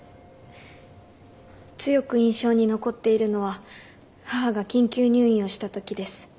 強く印象に残っているのは母が緊急入院をした時です。